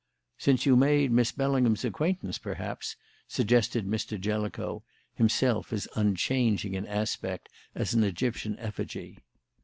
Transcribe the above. "Since you made Miss Bellingham's acquaintance, perhaps?" suggested Mr. Jellicoe, himself as unchanging in aspect as an Egyptian effigy.